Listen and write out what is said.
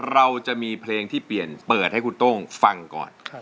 เราจะมีเพลงที่เปลี่ยนเปิดให้คุณโต้งฟังก่อน